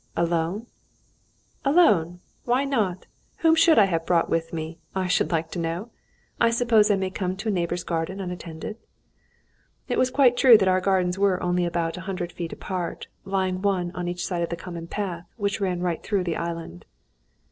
"Alone?" "Alone! Why not? Whom should I have brought with me, I should like to know? I suppose I may come to a neighbour's garden unattended?" It was quite true that our gardens were only about a hundred feet apart, lying one on each side of the common path, which ran right through the island.